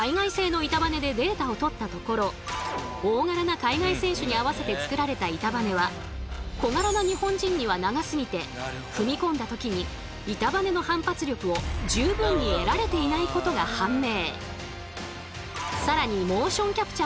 大柄な海外選手に合わせて作られた板バネは小柄な日本人には長すぎて踏み込んだ時に板バネの反発力を十分に得られていないことが判明。